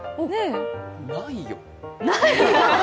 ないよ。